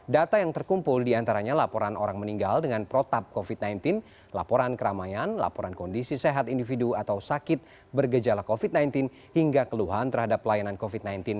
data yang terkumpul diantaranya laporan orang meninggal dengan protap covid sembilan belas laporan keramaian laporan kondisi sehat individu atau sakit bergejala covid sembilan belas hingga keluhan terhadap pelayanan covid sembilan belas